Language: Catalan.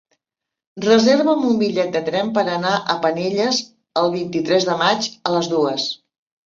Reserva'm un bitllet de tren per anar a Penelles el vint-i-tres de maig a les dues.